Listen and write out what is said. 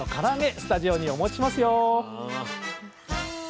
スタジオにお持ちしますよ！